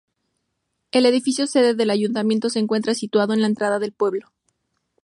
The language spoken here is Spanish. El edificio sede del ayuntamiento se encuentra situado en la entrada del pueblo.